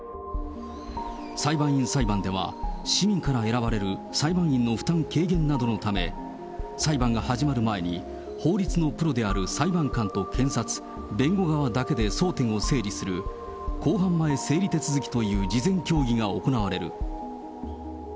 裁判員裁判では、市民から選ばれる裁判員の負担軽減などのため、裁判が始まる前に、法律のプロである裁判官と検察、弁護側だけで争点を整理する公判前整理手続きという事前協議が行われる。